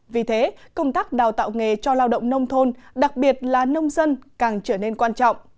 vì thế công tác đào tạo nghề cho lao động nông thôn đặc biệt là nông dân càng trở nên quan trọng